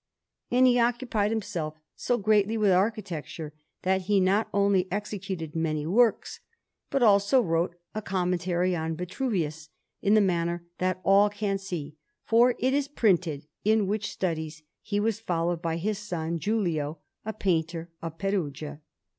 And he occupied himself so greatly with architecture, that he not only executed many works, but also wrote a commentary on Vitruvius in the manner that all can see, for it is printed; in which studies he was followed by his son Giulio, a painter of Perugia.